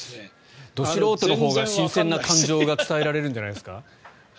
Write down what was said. ど素人のほうが新鮮な感情が伝えられるんじゃないですか？